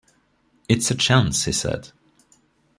“It’s a chance,” he said.